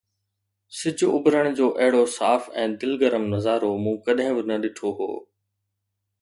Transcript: سج اڀرڻ جو اهڙو صاف ۽ دل گرم نظارو مون ڪڏهن به نه ڏٺو هو